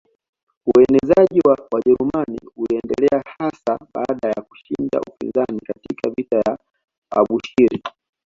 Uenezeaji wa Wajerumani uliendelea hasa baada ya kushinda upinzani katika vita ya Abushiri